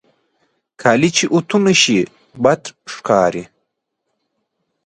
کالي چې اوتو نهشي، بد ښکاري.